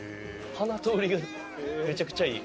鼻通りがめちゃくちゃいい。